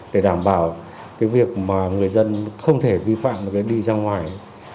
để đảm bảo việc người dân không thể vi phạm đi ra ngoài